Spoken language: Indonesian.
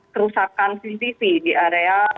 kerusakan cctv di area